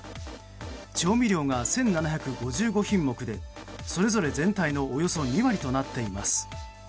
調味料が１７５５品目でそれぞれ全体のおよそ２割となっています。